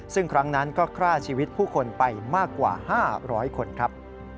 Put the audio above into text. ซึ่งครั้งนั้นก็ฆ่าชีวิตผู้คนไปมากกว่า๕๐๐คนครับ